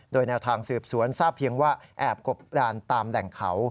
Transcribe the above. โดยแนวทางสืบสวนทราบเพียงว่าแอบกบดานตามแหล่งเขา